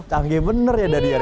canggih bener ya daniel